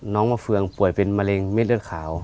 น้องมะเฟืองป่วยเป็นเงินเมฤนเรือขาว